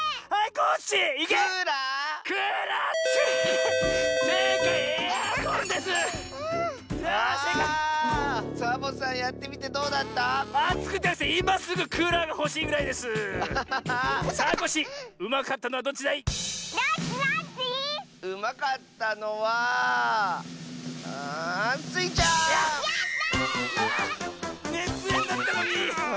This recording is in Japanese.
ねつえんだったのに！